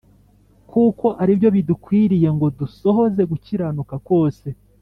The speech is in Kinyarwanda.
kuko ari byo bidukwiriye ngo dusohoze gukiranuka kose